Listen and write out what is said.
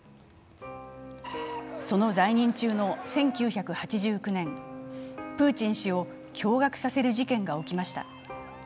その在任中の１９８９年、プーチン氏を驚がくさせる事件が起きました。